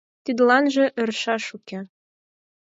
Тидланже ӧршаш уке.